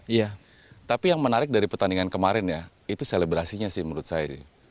iya tapi yang menarik dari pertandingan kemarin ya itu selebrasinya sih menurut saya sih